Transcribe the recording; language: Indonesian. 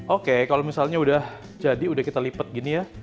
oke kalau misalnya udah jadi udah kita lipat gini ya